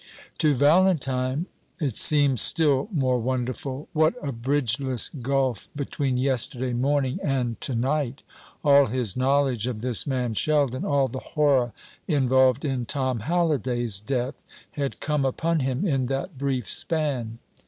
To Valentine it seemed still more wonderful. What a bridgeless gulf between yesterday morning and to night! All his knowledge of this man Sheldon, all the horror involved in Tom Halliday's death, had come upon him in that brief span.